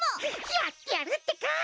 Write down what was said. やってやるってか。